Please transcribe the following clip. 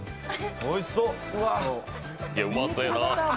おいしそう。